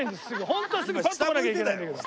ホントはすぐパッと来なきゃいけないんだけど。